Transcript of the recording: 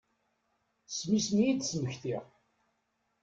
S yisem i yi-d-ttmektiɣ.